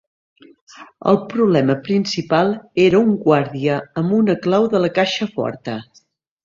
El problema principal era un guàrdia amb una clau de la caixa forta.